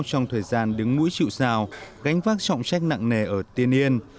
trong thời gian đứng mũi chịu sao gánh vác trọng trách nặng nề ở tiên yên